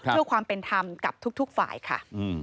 เพื่อความเป็นธรรมกับทุกฝ่ายค่ะ